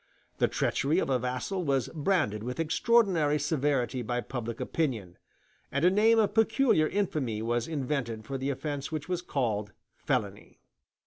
The treachery of a vassal was branded with extraordinary severity by public opinion, and a name of peculiar infamy was invented for the offence which was called "felony."